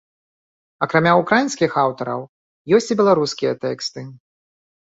Акрамя ўкраінскіх аўтараў, ёсць і беларускія тэксты.